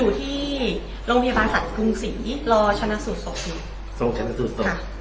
อยู่ที่โรงพยาบาลศัตริย์กรุงศรีรชนะสุทธิ์ทรงชนะสุทธิ์ค่ะ